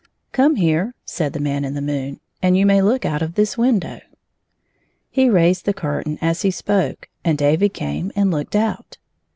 " Come here," said the Man in the moon, " and you may look out of this window." He raised the curtain as he spoke, and David came and looked out.